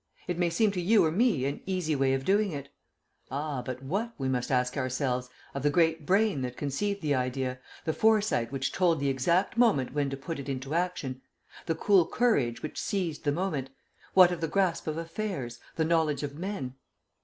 It may seem to you or me an easy way of doing it. Ah, but what, we must ask ourselves, of the great brain that conceived the idea, the foresight which told the exact moment when to put it into action, the cool courage which seized the moment what of the grasp of affairs, the knowledge of men?